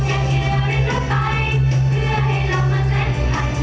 เผื่อเย็นเผื่อจึงได้มา